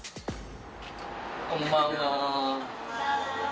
こんばんは。